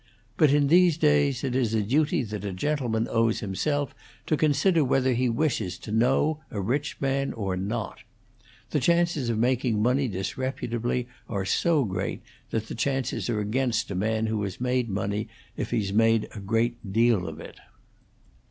But in these days it is a duty that a gentleman owes himself to consider whether he wishes to know a rich man or not. The chances of making money disreputably are so great that the chances are against a man who has made money if he's made a great deal of it.'"